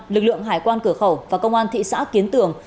lực lượng hải quan cửa khẩu và công an thị xã kiến tường